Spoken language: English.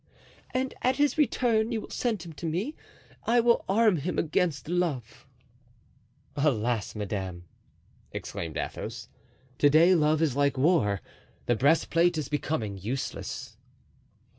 "And at his return you will send him to me. I will arm him against love." "Alas, madame!" exclaimed Athos, "to day love is like war—the breastplate is becoming useless."